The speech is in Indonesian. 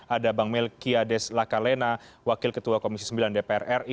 ada bang melkia des lakalena wakil ketua komisi ix dpr ri